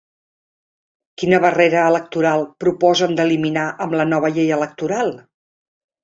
Quina barrera electoral proposen d'eliminar amb la nova llei electoral?